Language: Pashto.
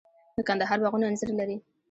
د کندهار باغونه انځر لري.